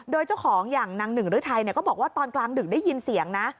โดยเจ้าของอย่างนางหนึ่งฤทัยก็บอกว่าตอนกลางดึกได้ยินเสียงนะ